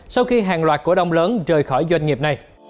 sau khi hàng loạt cổ đông lớn rời khỏi doanh nghiệp này